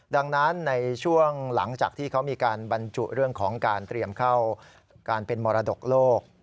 ดังนั้นในช่วงหลังจากที่เขามีการบรรจุเรื่องของการเตรียมเข้าการเป็นมรดกโลก